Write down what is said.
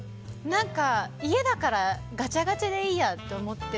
何か、家だからガチャガチャでいいやって思って。